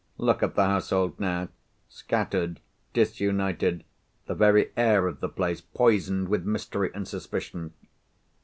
Look at the household now! Scattered, disunited—the very air of the place poisoned with mystery and suspicion!